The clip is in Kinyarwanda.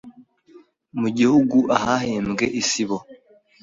mu gihugu ahahembwe Isibo